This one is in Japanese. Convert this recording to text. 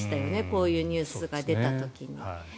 こういうニュースが出た時に。